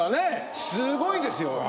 すごいですよ！